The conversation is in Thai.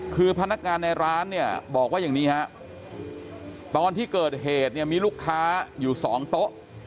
คือพนักงานในร้านบอกว่าอย่างนี้ตอนที่เกิดเหตุมีลูกค้าอยู่๒โต๊ะ